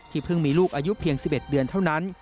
เพิ่งมีลูกอายุเพียง๑๑เดือนเท่านั้น